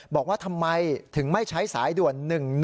บอกว่าทำไมถึงไม่ใช้สายด่วน๑๑๒